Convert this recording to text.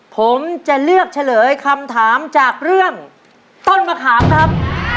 ผมจะเลือกเฉลยคำถามจากเรื่องต้นมะขามครับ